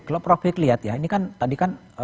kalau profit lihat ya ini kan tadi kan